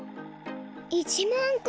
１まんこ！